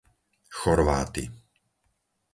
Chorváty